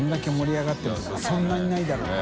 そんなにないだろうね。